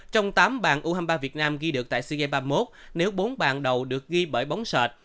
trong tám bàn u hai mươi ba việt nam ghi được tại sea games ba mươi một nếu bốn bàn đầu được ghi bởi bóng sệt